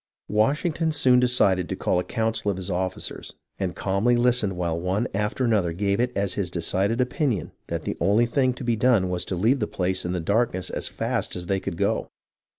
Washington soon decided to call a council of his officers, and calmly listened while one after another gave it as his decided opinion that the only thing to be done was to leave the place in the darkness as fast as they could go.